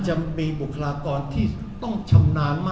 เราขอเรียนต่างตรงก่อนเริ่ม